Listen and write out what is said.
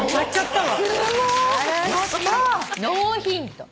ノーヒント。